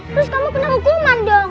terus kamu kena hukuman dong